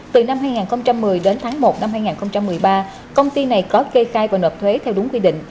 từ năm hai nghìn một mươi đến tháng một năm hai nghìn một mươi ba công ty này có kê khai và nộp thuế theo đúng quy định